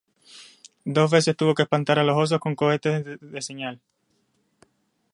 Dos veces tuvo que espantar a los osos con cohetes de señal.